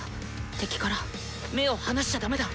敵から目を離しちゃ駄目だ！